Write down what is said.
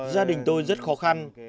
gia đình tôi rất khó khăn